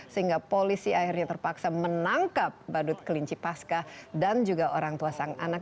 sehingga polisi akhirnya terpaksa menangkap badut kelinci pasca dan juga orang tua sang anak